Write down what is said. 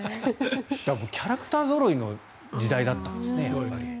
キャラクターぞろいの時代だったんですね。